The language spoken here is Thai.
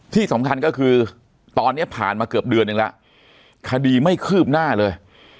ที่สำคัญก็คือตอนนี้ผ่านมาเกือบเดือนหนึ่งแล้วคดีไม่คืบหน้าเลย